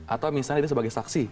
atau misalnya sebagai saksi